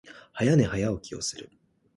早寝、早起きをする。